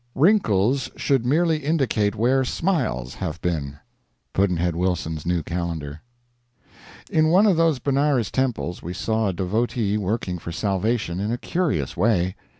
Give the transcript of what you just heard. Wrinkles should merely indicate where smiles have been. Pudd'nhead Wilson's New Calendar. In one of those Benares temples we saw a devotee working for salvation in a curious way.